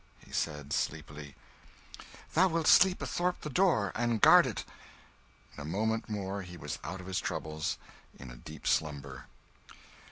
He said, sleepily "Thou wilt sleep athwart the door, and guard it." In a moment more he was out of his troubles, in a deep slumber.